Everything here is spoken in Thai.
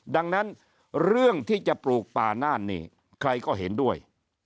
ดังนั้นเรื่องที่จะปลูกป่าน่านนี่ใครก็เห็นด้วย